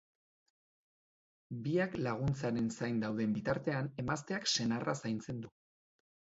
Biak laguntzaren zain dauden bitartean emazteak senarra zaintzen du.